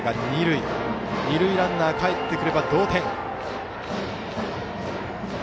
二塁ランナーがかえってくれば同点。